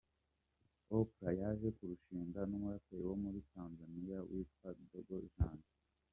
Oprah yaje kurushinga n’umuraperi wo muri Tanzaniya witwa Dogo Janja.